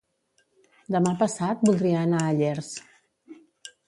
Demà passat voldria anar a Llers.